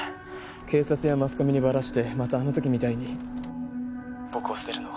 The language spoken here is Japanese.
警察やマスコミにバラしてまたあの時みたいに僕を捨てるの？